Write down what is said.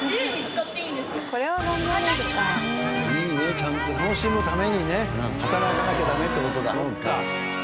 ちゃんと楽しむためにね働かなきゃダメって事だ。